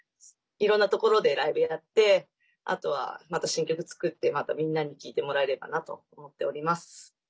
いろんなところでライブやってあとは、また新曲作ってまた、みんなに聴いてもらえればなと思っております。